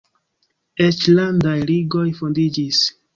Eĉ landaj ligoj fondiĝis.